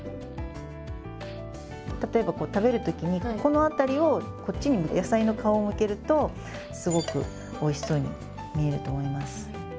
例えば食べるときにここの辺りをこっちに野菜の顔を向けるとすごくおいしそうに見えると思います。